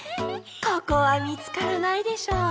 ここはみつからないでしょう。